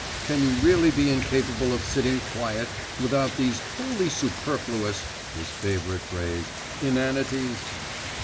Can you really be incapable of sitting quiet without these "wholly superfluous" (his favourite phrase) inanities?